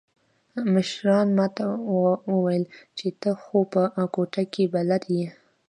مشرانو ما ته وويل چې ته خو په کوټه کښې بلد يې.